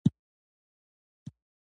چینايي پانګه اچوونکي زړور دي.